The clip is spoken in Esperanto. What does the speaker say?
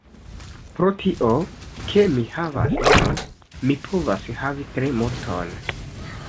Pro tio, ke mi havas monon, mi povas havi tre multon.